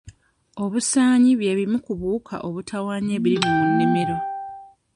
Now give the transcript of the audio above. Obusaanyi bwe bumu ku buwuka obutawaanya ebirime mu nnimiro.